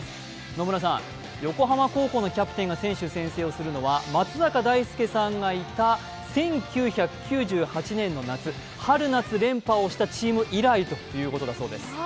野村さん、横浜高校のキャプテンが選手宣誓をするのは、松坂大輔さんがいた１９９８年の夏、春夏連覇をしたチーム以来だということだそうです。